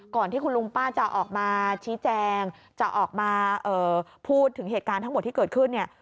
ที่คุณลุงป้าจะออกมาชี้แจงจะออกมาพูดถึงเหตุการณ์ทั้งหมดที่เกิดขึ้นเนี่ย